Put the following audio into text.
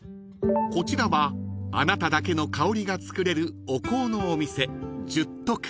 ［こちらはあなただけの香りが作れるお香のお店］